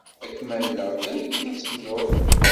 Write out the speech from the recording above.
Ad kem-alleɣ kan akken ad tebdud.